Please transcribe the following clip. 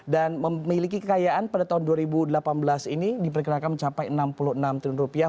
dan memiliki kekayaan pada tahun dua ribu delapan belas ini diperkirakan mencapai enam puluh enam triliun rupiah